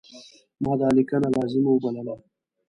ما دا لیکنه لازمه وبلله.